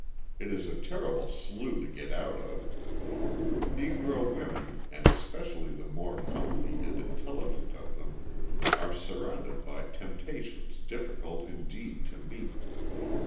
It is a terrible slough to get out of. Negro women, and especially the more comely and intelligent of them, are surrounded by temptations difficult indeed to meet.